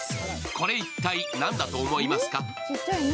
これ、一体何だと思いますか？